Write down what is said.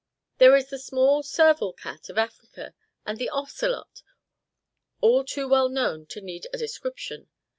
There is the small serval of Africa, and the ocelot, all too well known to need a description.